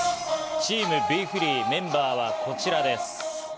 チームＢｅＦｒｅｅ、メンバーはこちらです。